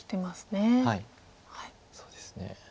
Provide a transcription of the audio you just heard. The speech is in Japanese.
そうですね。